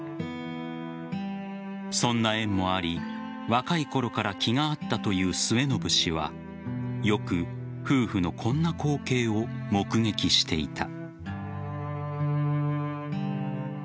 そんな縁もあり若いころから気が合ったという末延氏はよく、夫婦のこんな光景を目撃していた。